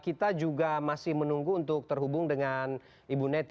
kita juga masih menunggu untuk terhubung dengan ibu neti